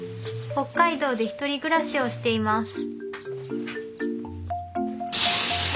北海道で１人暮らしをしています